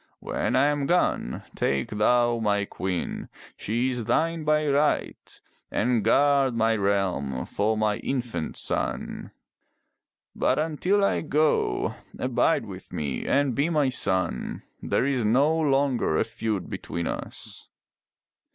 When I am gone, take thou my queen — she is thine by right, and guard my realm for my infant son. But until I go, 355 MY BOOK HOUSE abide with me and be my son. There is no longer a feud between us."